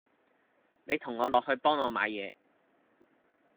你同我落去幫我買嘢